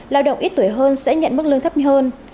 lao động ít tuổi hơn sẽ nhận mức lương thấp hơn